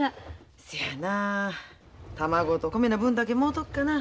せやな卵と米の分だけもろとくかな。